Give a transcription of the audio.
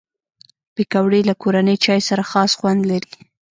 پکورې له کورني چای سره خاص خوند لري